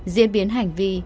diễn biến hành vi